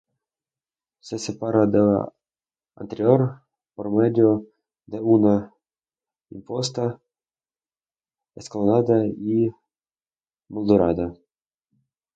Se separa de la anterior por medio de una imposta escalonada y moldurada.